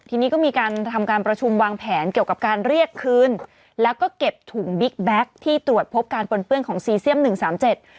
ทีนี้ก็มีการทำการประชุมวางแผนเกี่ยวกับการเรียกคืนแล้วก็เก็บถุงบิ๊กแบ็คที่ตรวจพบการปนเปื้อนของซีเซียมหนึ่งสามเจ็ด